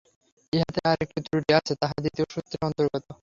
ইহাতে আর একটি ত্রুটি আছে, তাহা দ্বিতীয় সূত্রের অন্তর্গত।